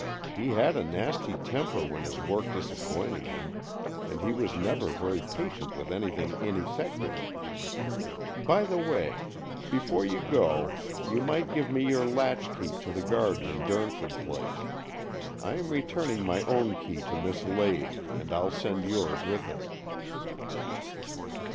He had a nasty temper when his work disap pointed him, and he was never very patient^ with anything ineffective. By the way, before you go you might give me your latch key to the garden in Durnford Place. I am returning my own key to Miss Lade, and I'll send yours with it."